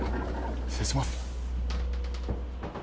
失礼します。